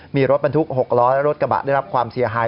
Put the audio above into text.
มีรถบรรทุก๖ล้อและรถกระบะได้รับความเสียหาย